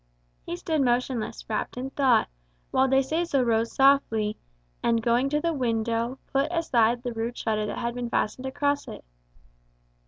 He stood motionless, wrapt in thought; while De Seso rose softly, and going to the window, put aside the rude shutter that had been fastened across it.